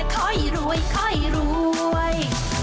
ค่อยรวยค่อยรวย